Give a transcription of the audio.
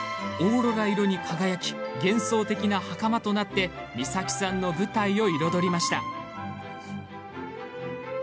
オーロラ色に輝き幻想的な、はかまとなって三咲さんの舞台を彩りました。